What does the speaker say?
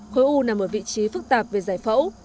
khối u nằm ở vị trí phức tạp về giải phẫu